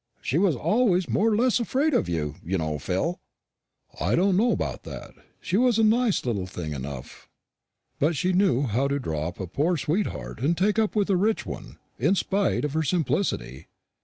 She was always more or less afraid of you, you know, Phil." "I don't know about that. She was a nice little thing enough; but she knew how to drop a poor sweetheart and take up with a rich one, in spite of her simplicity."